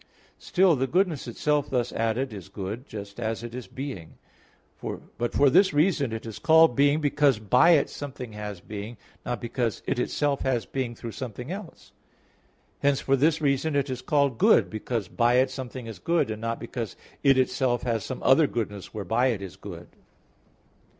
Still, the goodness itself thus added is good, just as it is being. But for this reason is it called being because by it something has being, not because it itself has being through something else: hence for this reason is it called good because by it something is good, and not because it itself has some other goodness whereby it is good.